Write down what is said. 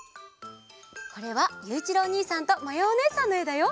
これはゆういちろうおにいさんとまやおねえさんのえだよ。